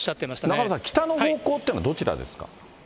中山さん、北の方向というのは、どちらですか。